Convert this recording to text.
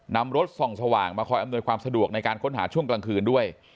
นำรถส่องสว่างมาคอยอำนวยความสะดวกในการค้นหาช่วงกลางคืนด้วย